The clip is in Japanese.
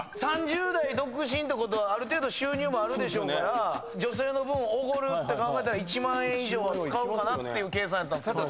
３０代独身ってある程度収入もあるでしょうから女性の分おごるって考えたら１万円以上は使うかなっていう計算やったんですけど。